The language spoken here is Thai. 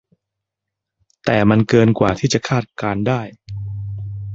แต่มันเกินกว่าที่จะคาดการณ์ได้